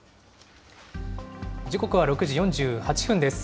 時刻は６時４８分です。